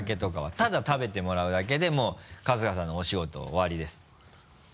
ただ食べてもらうだけでもう春日さんのお仕事終わりです。